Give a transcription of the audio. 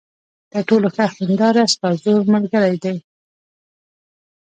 تر ټولو ښه هینداره ستا زوړ ملګری دی.